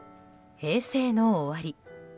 平成の終わり。